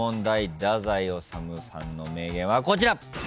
太宰治さんの名言はこちら。